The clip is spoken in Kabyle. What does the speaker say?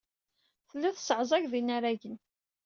Tellid tesseɛẓaged inaragen.